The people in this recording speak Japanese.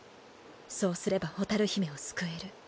そうすれば蛍姫を救える。